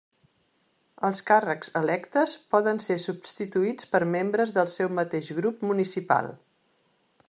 Els càrrecs electes poden ser substituïts per membres del seu mateix grup municipal.